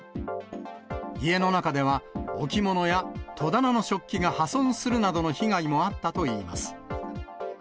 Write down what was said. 家の中では、置物や戸棚の食器が破損するなどの被害もあったといいます。